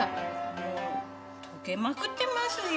もう溶けまくってますよ。